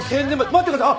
待ってください。